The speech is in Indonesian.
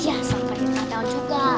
ya sampai dua tahun juga